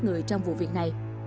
người trong vụ việc này